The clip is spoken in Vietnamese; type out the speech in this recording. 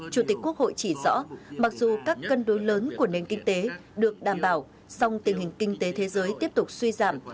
chủ tịch quốc hội chỉ rõ mặc dù các cân đối lớn của nền kinh tế được đảm bảo song tình hình kinh tế thế giới tiếp tục suy giảm